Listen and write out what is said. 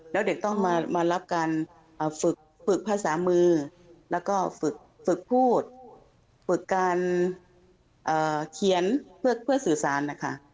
แล้วเด็กต้องมารับการฝึกภาษามือแล้วก็ฝึกฝึกพูดฝึกการเขียนเพื่อสื่อสารนะคะ